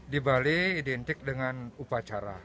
di bali identik dengan upacara